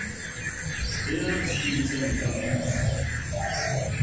Bill Stevenson produced.